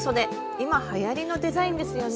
今はやりのデザインですよね。